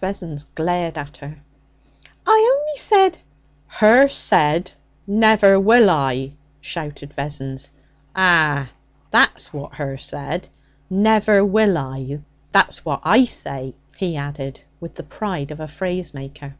Vessons glared at her. 'I only said ' 'Her said, "Never will I!"' shouted Vessons. 'Ah, that's what her said "Never will I!" That's what I say,' he added with the pride of a phrase maker.